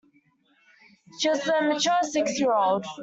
She was a mature six-year-old.